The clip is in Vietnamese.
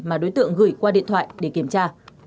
mà đối tượng gửi qua điện thoại để kiểm tra